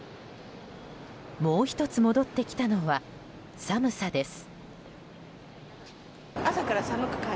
もう１つ戻ってきたのは寒さです。